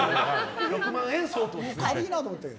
６万円相当です。